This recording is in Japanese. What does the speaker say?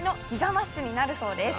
マッシュになるそうです。